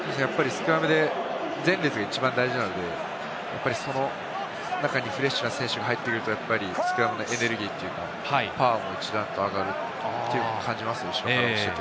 スクラムで前列が一番大事なので、その中にフレッシュな選手が入ってくると、スクラムのエネルギーというか、パワーも一段と上がるというのは感じますね。